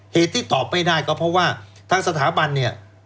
เหตุที่ตอบไม่ได้ก็เพราะว่าทางสถาบันเนี่ย